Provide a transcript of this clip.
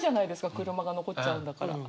車が残っちゃうんだから。